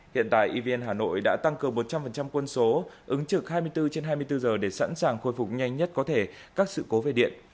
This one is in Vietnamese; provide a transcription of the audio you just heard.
hiện tại evn hà nội đã tăng cường một trăm linh quân số ứng trực hai mươi bốn trên hai mươi bốn giờ để sẵn sàng khôi phục nhanh nhất có thể các sự cố về điện